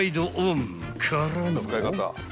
［からの］